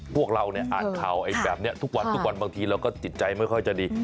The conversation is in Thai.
พวกเราเนี่ยอ่านข่าวแบบนี้ทุกวันทุกวันบางทีเราก็จิตใจไม่ค่อยจะดี